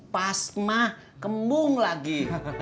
pas mah kembung lagi